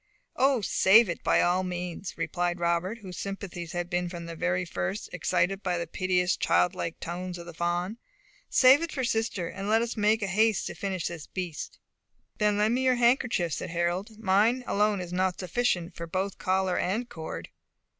"O, save it by all means," replied Robert, whose sympathies had been from the first excited by the piteous, childlike tones of the fawn. "Save it for sister, and let us make haste to finish this beast." "Then lend me your handkerchief," said Harold; "mine alone is not sufficient for both collar and cord."